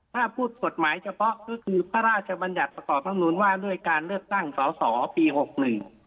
ถ้าพูดกฎหมายเฉพาะก็คือพระราชบัญญัติประกอบธรรมนูลว่าด้วยการเลือกตั้งสอสอปีหกหนึ่ง